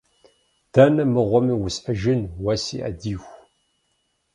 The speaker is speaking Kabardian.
Дэнэ мыгъуэми усхьыжыну, уэ си ӏэдииху?